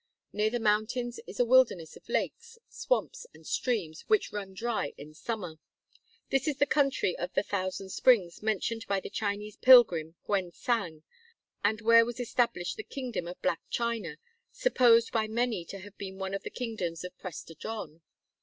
Near the mountains is a wilderness of lakes, swamps, and streams, which run dry in summer. This is the country of the "Thousand Springs" mentioned by the Chinese pilgrim Huen T'sang, and where was established the kingdom of Black China, supposed by many to have been one of the kingdoms of "Prester John."